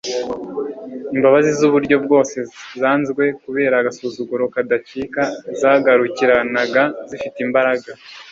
Imbabazi z'uburyo bwose zanzwe kubera agasuzuguro kadacika zagarukiranaga zifite imbaraga